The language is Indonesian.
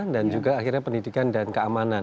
dan juga akhirnya pendidikan dan keamanan